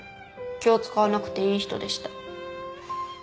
気を使わなくていい人でした。